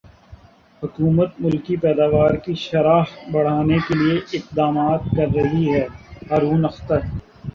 حکومت ملکی پیداوار کی شرح بڑھانے کیلئے اقدامات کر رہی ہےہارون اختر